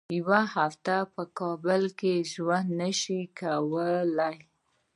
یوه هفته په کابل کې ژوند نه شي کولای.